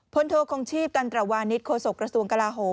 โทคงชีพตันตรวานิสโฆษกระทรวงกลาโหม